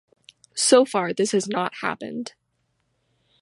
So far this has not happened.